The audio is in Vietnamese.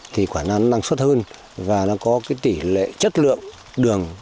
thì quả nó năng suất hơn và nó có cái tỷ lệ chất lượng đường